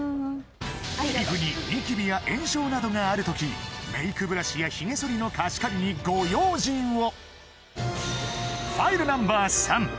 皮膚にニキビや炎症などがある時メイクブラシやひげ剃りの貸し借りにご用心を！